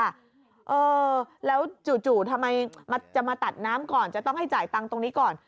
เออแล้วจู่ทำไมจะมาตัดน้ำก่อนจะต้องให้จ่ายตังค์ตรงนี้ก่อน